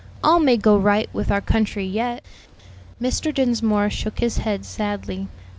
All may go right with our country yet." Mr. Dinsmore shook his head sadly.